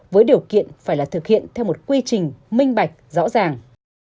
với điều kiện phải là thực hiện theo một quy trình minh bạch rõ ràng